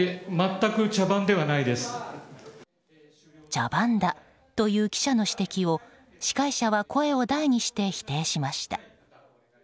茶番だという記者の指摘を司会者は声を大にして否定しました。